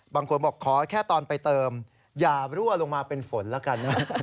บางคนบอกขอแค่ตอนไปเติมอย่ารั่วลงมาเป็นฝนแล้วกันนะ